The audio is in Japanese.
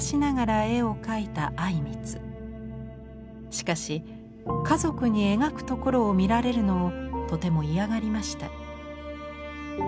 しかし家族に描くところを見られるのをとても嫌がりました。